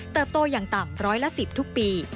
โตอย่างต่ำร้อยละ๑๐ทุกปี